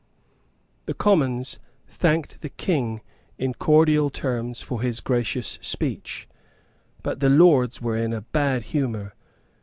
The Commons thanked the King in cordial terms for his gracious speech. But the Lords were in a bad humour.